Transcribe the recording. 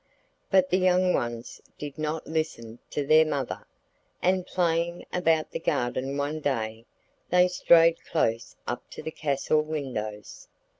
But the young ones did not listen to their mother, and, playing about the garden one day, they strayed close up to the castle windows.